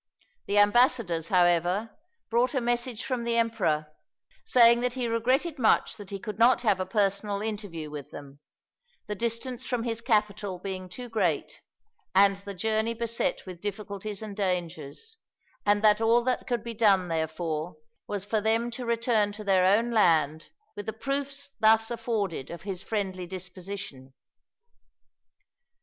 The ambassadors, however, brought a message from the emperor, saying that he regretted much that he could not have a personal interview with them, the distance from his capital being too great, and the journey beset with difficulties and dangers; and that all that could be done, therefore, was for them to return to their own land, with the proofs thus afforded of his friendly disposition.